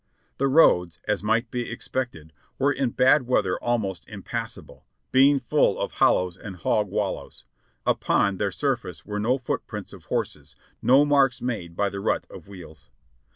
The roads, as might be expected, were in bad weather almost impassable, being full of hollows and hog wallows ; upon their surface were no foot prints of horses, no marks made by the rut of wheels.